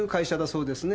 そうです。